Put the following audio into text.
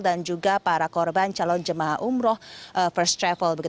juga para korban calon jemaah umroh first travel